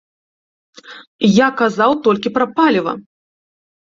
Я казаў толькі пра паліва!